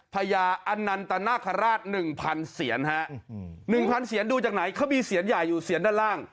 ญาอันนันตนาคาราช๑๐๐เสียนฮะ๑๐๐เสียนดูจากไหนเขามีเสียนใหญ่อยู่เสียนด้านล่าง